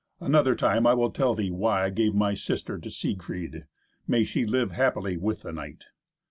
Another time I will tell thee why I gave my sister to Siegfried. May she live happily with the knight."